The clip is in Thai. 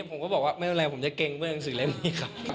วันนี้ผมก็บอกว่าไม่เป็นไรผมจะเกรงเบื้องสื่อเล่มนี้ครับ